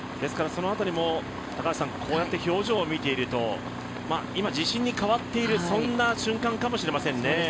その辺りも、こうやって表情を見ていると今、自信に変わっている、そんな瞬間かもしれないですね。